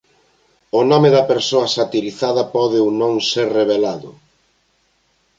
O nome da persoa satirizada pode ou non ser revelado.